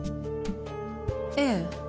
ええ。